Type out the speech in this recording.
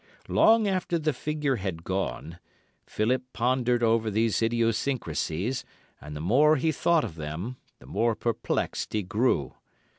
Long after the figure had gone, Philip pondered over these idiosyncrasies, and the more he thought of them, the more perplexed he grew.